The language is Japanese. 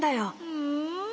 ふん。